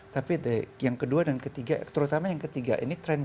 tapi yang kedua dan ketiga terutama yang ketiga ini trend